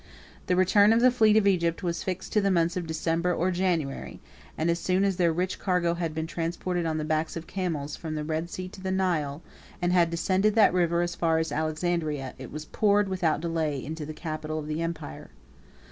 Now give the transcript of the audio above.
The return of the fleet of Egypt was fixed to the months of December or January; and as soon as their rich cargo had been transported on the backs of camels, from the Red Sea to the Nile, and had descended that river as far as Alexandria, it was poured, without delay, into the capital of the empire.